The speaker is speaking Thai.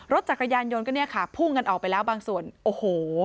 รถจักรยานยนต์ก็เนี่ยค่ะพุ่งกันออกไปแล้วบางส่วนโอ้โห